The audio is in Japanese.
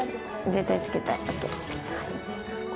絶対つけたい。ＯＫ。